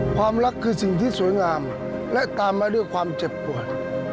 ความรักคือสิ่งที่สวยงามและตามมาด้วยความเจ็บปวด